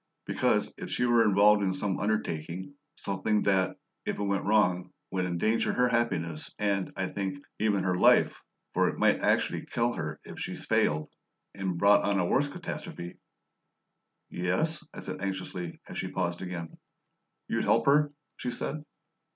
"Because, if she were involved in some undertaking something that, if it went wrong, would endanger her happiness and, I think, even her life for it might actually kill her if she failed, and brought on a worse catastrophe " "Yes?" I said anxiously, as she paused again. "You'd help her?" she said.